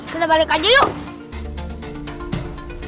kita balik aja yuk